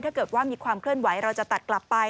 ถ้าเกิดว่ามีความเคลื่อนไหวเราจะตัดกลับไป